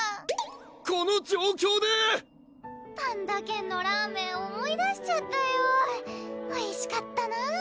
この状況で⁉ぱんだ軒のラーメン思い出しちゃったよおいしかったなぁ